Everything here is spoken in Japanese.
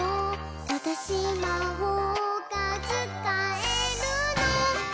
「わたしまほうがつかえるの！」